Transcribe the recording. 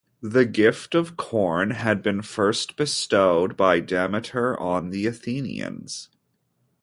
The gift of corn had been first bestowed by Demeter on the Athenians.